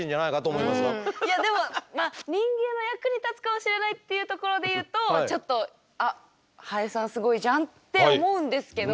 いやでもまあ人間の役に立つかもしれないっていうところでいうとちょっと「あっハエさんすごいじゃん」って思うんですけど